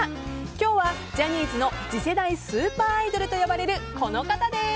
今日はジャニーズの次世代スーパーアイドルと呼ばれるこの方です。